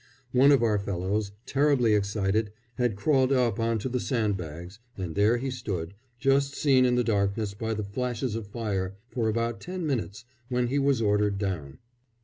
One of our fellows, terribly excited, had crawled up on to the sandbags, and there he stood, just seen in the darkness by the flashes of fire, for about ten minutes, when he was ordered down.